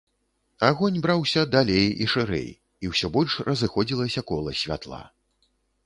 Агонь браўся далей і шырэй, і ўсё больш разыходзілася кола святла.